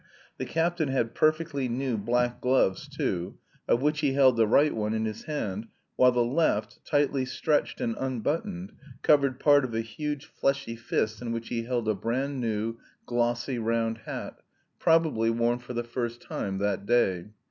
The captain had perfectly new black gloves too, of which he held the right one in his hand, while the left, tightly stretched and unbuttoned, covered part of the huge fleshy fist in which he held a brand new, glossy round hat, probably worn for the first time that day.